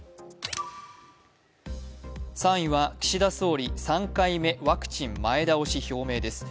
３位は岸田総理３回目ワクチン前倒し表明です。